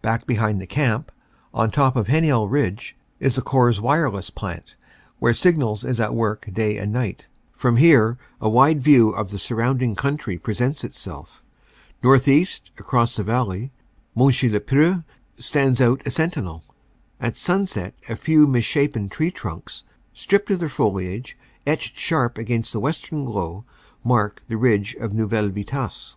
Back behind the camp, on top of Heninel Ridge, is the Corps wireless plant, where Signals is at work day and night From here a wide view of the surrounding country presents itself. Northeast, across the valley, Monchy le Preux stands out, a sentinel. At sunset a few misshapen tree trunks, stripped of their foliage, etched sharp against the western glow, mark the ridge of Neuville Vitasse.